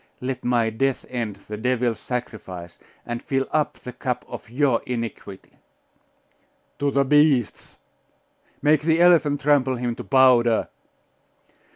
Let my death end the devil's sacrifice, and fill up the cup of your iniquity!' 'To the beasts!' 'Make the elephant trample him to powder!